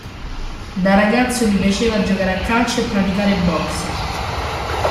Da ragazzo gli piaceva giocare a calcio e praticare boxe.